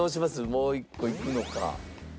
もう１個いくのか。